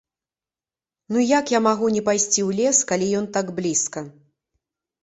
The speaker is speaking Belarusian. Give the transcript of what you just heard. Ну як я магу не пайсці ў лес, калі ён так блізка?